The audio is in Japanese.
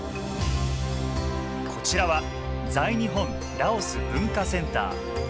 こちらは在日本ラオス文化センター。